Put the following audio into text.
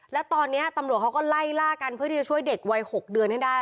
แล้วตอนนี้ตำรวจเขาก็ไล่ล่ากันเพื่อที่จะช่วยเด็กวัย๖เดือนให้ได้